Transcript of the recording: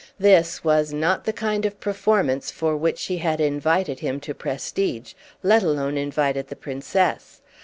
This was not the kind of performance for which she had invited him to Prestidge, let alone invited the Princess.